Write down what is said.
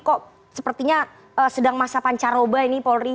kok sepertinya sedang masa pancaroba ini polri